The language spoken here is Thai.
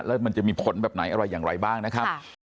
แล้วมันจะมีผลแบบไหนอะไรอย่างไรบ้างนะครับ